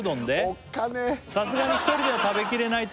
おっかねぇ「さすがに１人では食べきれないと思い」